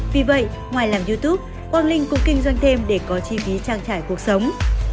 vì vậy ngoài làm youtube quang linh cũng kinh doanh thêm để có chi phí trang trải cuộc sống